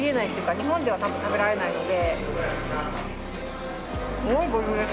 日本では多分食べられないので。